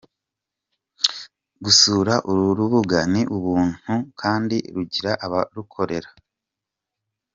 Gusura uru rubuga ni ubuntu kandi rugira abarukorera.